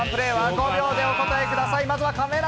５秒でお答えください。